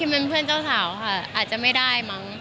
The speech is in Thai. เป็นเพื่อนเจ้าสาวค่ะอาจจะไม่ได้มั้ง